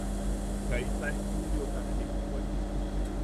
Kaita ejtudiota ne jippuek.